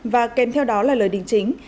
và kèm theo đó là lời đính chính